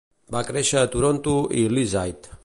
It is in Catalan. Va créixer a Toronto i Leaside.